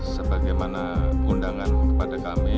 sebagaimana undangan kepada kami